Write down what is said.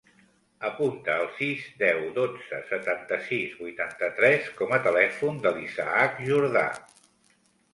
Apunta el sis, deu, dotze, setanta-sis, vuitanta-tres com a telèfon de l'Isaac Jorda.